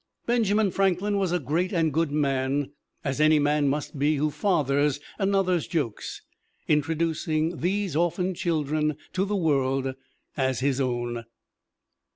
Benjamin Franklin was a great and good man, as any man must be who fathers another's jokes, introducing these orphaned children to the world as his own.